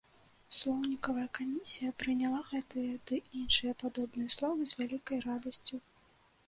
Слоўнікавая камісія прыняла гэтае ды іншыя падобныя словы з вялікай радасцю.